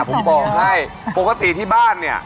ผมบอกให้ปกติที่บ้านเนี่ย